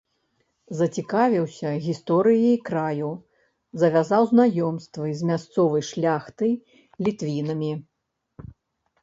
Зацікавіўся гісторыяй краю, завязаў знаёмствы з мясцовай шляхтай-літвінамі.